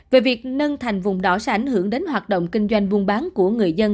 về việc nâng thành vùng đỏ sẽ ảnh hưởng đến hoạt động kinh doanh buôn bán của người dân